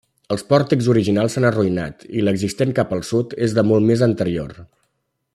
Els pòrtics originals s'han arruïnat, i l'existent cap al sud és de molt més anterior.